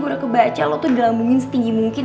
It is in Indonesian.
coba udah kebaca lu tuh dilambungin setinggi mungkin